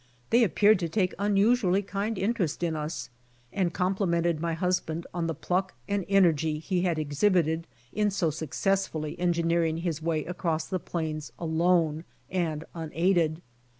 They appeared to take unusually kindly interest in us and complimented my husband on the pluck and energy he had exhibited in so successfully engineering his way across the plains alone and unaided.